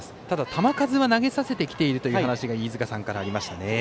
球数は投げさせているという話が飯塚さんからありましたね。